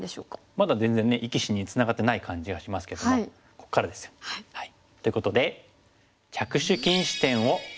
まだ全然ね生き死ににつながってない感じがしますけどもここからですよ。ということで。